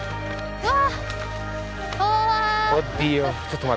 うわ！